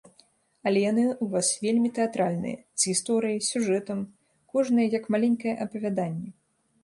Але яны ў вас вельмі тэатральныя, з гісторыяй, сюжэтам, кожная як маленькае апавяданне.